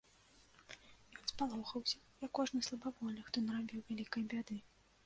Ён спалохаўся, як кожны слабавольны, хто нарабіў вялікай бяды.